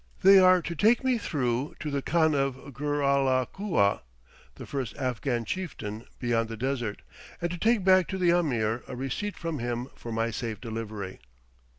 They are to take me through to the Khan of Grhalakua, the first Afghan chieftain beyond the desert, and to take back to the Ameer a receipt from him for my safe delivery.